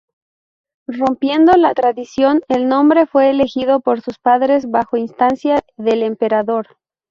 Rompiendo la tradición, el nombre fue elegido por sus padres, bajo instancia del emperador.